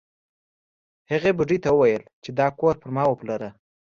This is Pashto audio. هغې بوډۍ ته یې وویل چې دا کور پر ما وپلوره.